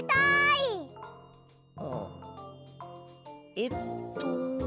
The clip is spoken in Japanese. えっと。